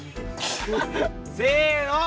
せの。